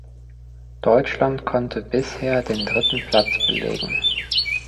Deutschland konnte bisher den dritten Platz belegen.